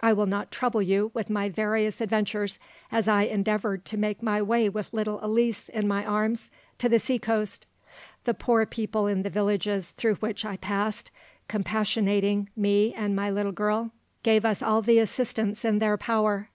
I will not trouble you with my various adventures as I endeavoured to make my way with little Elise in my arms to the sea coast. The poor people in the villages through which I passed, compassionating me and my little girl, gave us all the assistance in their power.